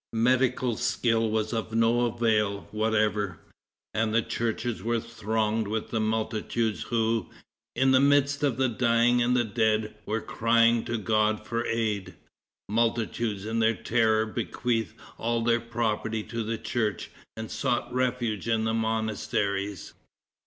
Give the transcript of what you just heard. Medical skill was of no avail whatever, and the churches were thronged with the multitudes who, in the midst of the dying and the dead, were crying to God for aid. Multitudes in their terror bequeathed all their property to the church, and sought refuge in the monasteries.